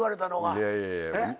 いやいや。